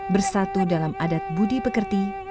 bersatu dalam adat budi pekerti